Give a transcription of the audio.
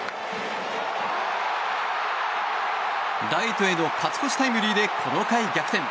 ライトへの勝ち越しタイムリーでこの回、逆転。